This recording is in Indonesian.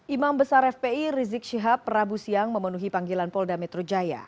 imam besar fpi rizik syihab rabu siang memenuhi panggilan polda metro jaya